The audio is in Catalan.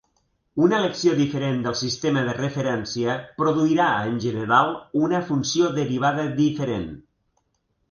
Una elecció diferent del sistema de referència produirà, en general, una funció derivada diferent.